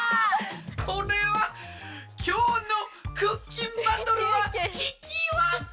これはきょうのクッキンバトルはひきわけ！